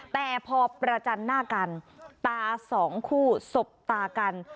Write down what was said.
แต่พอประจันหน้ากันตาสองคู่สบตากัน